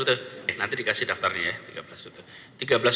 tiga belas ruto nanti dikasih daftarnya ya